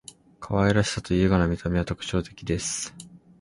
可愛らしさと優雅な見た目は特徴的です．